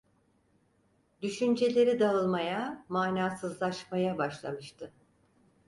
Düşünceleri dağılmaya, manasızlaşmaya başlamıştı…